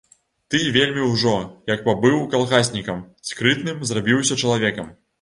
Ты вельмі ўжо, як пабыў калгаснікам, скрытным зрабіўся чалавекам.